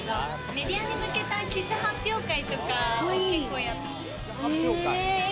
メディアに向けた記者発表会とか結構やってます。